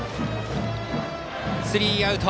スリーアウト。